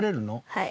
はい。